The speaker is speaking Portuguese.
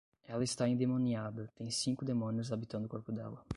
Ela está endemoniada, tem cinco demônios habitando o corpo dela